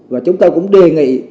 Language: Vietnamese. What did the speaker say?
và chúng tôi cũng đề nghị